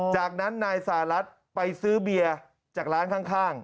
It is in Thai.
จากนั้นนายสหรัฐไปซื้อเบียร์จากร้านข้าง